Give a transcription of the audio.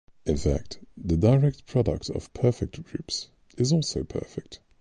In fact, the direct product of perfect groups is also perfect.